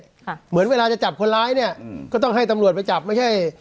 เหมือนเวลาจะจับคนร้ายเนี้ยอืมก็ต้องให้ตำรวจไปจับไม่ใช่